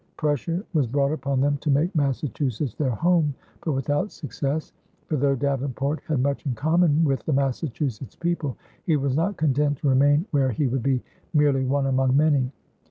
Pressure was brought upon them to make Massachusetts their home, but without success, for though Davenport had much in common with the Massachusetts people, he was not content to remain where he would be merely one among many.